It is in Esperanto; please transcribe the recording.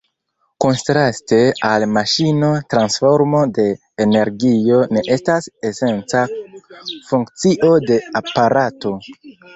Kontraste al maŝino transformo de energio ne estas esenca funkcio de aparato.